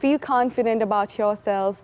berasa yakin tentang diri anda